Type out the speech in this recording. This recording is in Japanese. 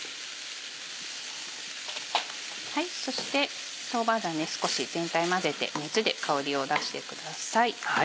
そして豆板醤少し全体混ぜて熱で香りを出してください。